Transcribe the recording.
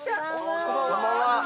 こんばんは。